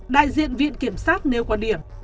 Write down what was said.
đại diện viện kiểm sát nêu quan điểm